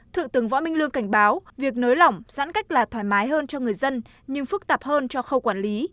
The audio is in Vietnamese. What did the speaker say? thượng tướng võ minh lương cảnh báo việc nới lỏng giãn cách là thoải mái hơn cho người dân nhưng phức tạp hơn cho khâu quản lý